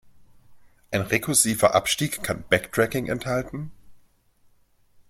Ein rekursiver Abstieg kann Backtracking enthalten.